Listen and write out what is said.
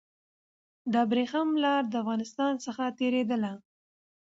د ابريښم لار د افغانستان څخه تېرېدله.